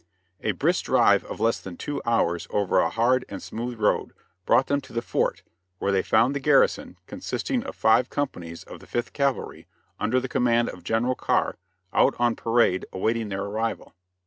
A brisk drive of less than two hours over a hard and smooth road brought them to the fort, where they found the garrison, consisting of five companies of the Fifth Cavalry, under the command of General Carr, out on parade awaiting their arrival.